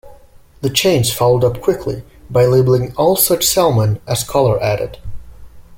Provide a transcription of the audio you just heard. The chains followed up quickly by labeling all such salmon as "color added".